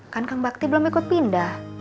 kan kang bakti belum ikut pindah